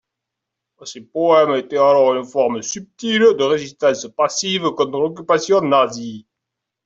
Ses poèmes étaient alors une forme subtile de résistance passive contre l'occupation Nazi.